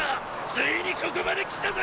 ついにここまで来たぜ！